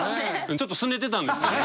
ちょっとすねてたんですけどね。